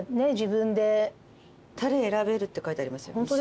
タレ選べるって書いてありますよ